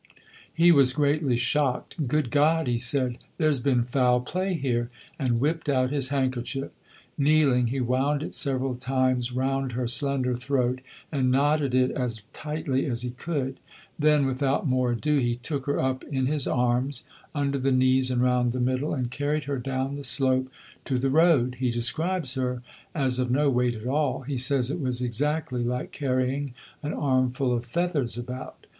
He was greatly shocked. "Good God," he said, "there's been foul play here," and whipped out his handkerchief. Kneeling, he wound it several times round her slender throat and knotted it as tightly as he could; then, without more ado, he took her up in his arms, under the knees and round the middle, and carried her down the slope to the road. He describes her as of no weight at all. He says it was "exactly like carrying an armful of feathers about."